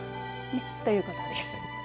ということです。